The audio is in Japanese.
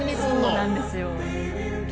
そうなんですよ。